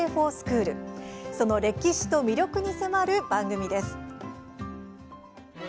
その歴史と魅力に迫る番組です。